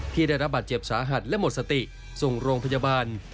ได้รับบาดเจ็บสาหัสและหมดสติส่งโรงพยาบาล